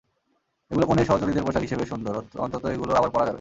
এগুলো কনের সহচরীদের পোশাক হিসেবে সুন্দর অন্তত এগুলো আবার পরা যাবে।